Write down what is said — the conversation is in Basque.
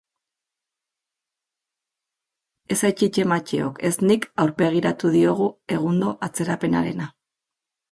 Ez aitite Mateok ez nik aurpegiratu diogu egundo atzerapenarena.